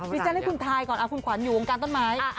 ฉันให้คุณทายก่อนคุณขวัญอยู่วงการต้นไม้